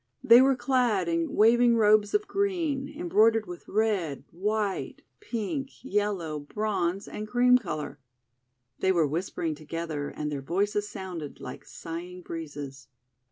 They were clad in waving robes of green, embroidered with red, white, pink, yellow, bronze, and cream colour. They were whispering together, and their voices sounded like sighing breezes.